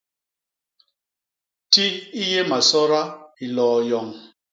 Ti i yé masoda i loo yoñ.